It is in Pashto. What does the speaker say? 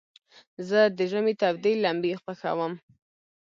زه د ژمي تودي لمبي خوښوم.